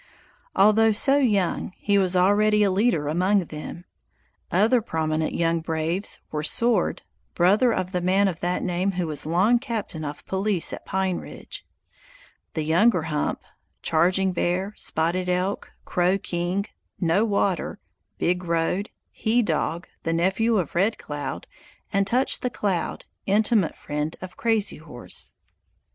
Although so young, he was already a leader among them. Other prominent young braves were Sword (brother of the man of that name who was long captain of police at Pine Ridge), the younger Hump, Charging Bear, Spotted Elk, Crow King, No Water, Big Road, He Dog, the nephew of Red Cloud, and Touch the Cloud, intimate friend of Crazy Horse.